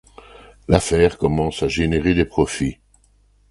L’affaire commence à générer des profits.